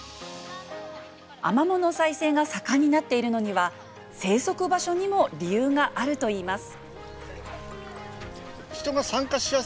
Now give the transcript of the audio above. アマモの再生が盛んになっているのには生息場所にも理由があるといいます。